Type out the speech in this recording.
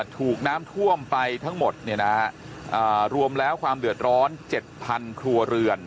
ถูกน้ำท่วมไปทั้งหมดรวมแล้วความเดือดร้อน๗๐๐ครัวเรือน